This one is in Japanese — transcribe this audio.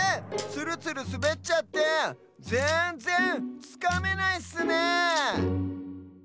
ツルツルすべっちゃってぜんぜんつかめないッスねえ。